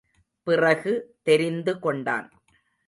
பிறகு தெரிந்து கொண்டான்.